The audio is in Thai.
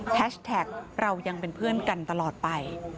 แท็กเรายังเป็นเพื่อนกันตลอดไป